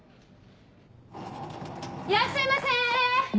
いらっしゃいませ！